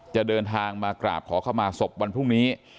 จะเดินทางมากราบขอเข้ามาศพวันพรุ่งนี้